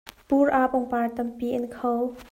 Phul ah pangpar tampi an kho.